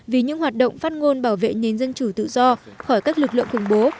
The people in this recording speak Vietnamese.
vì những hoạt động phát ngôn bảo vệ nền dân chủ tự do khỏi các lực lượng khủng bố